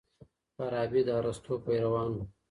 فارابي د ارسطو پیروان و.